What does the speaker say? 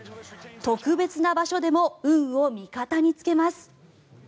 特別な場所でも運を味方につけます。